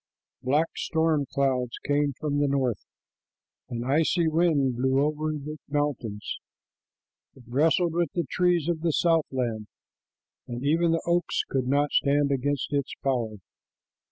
Black storm clouds came from the north. An icy wind blew over the mountains. It wrestled with the trees of the southland, and even the oaks could not stand against its power.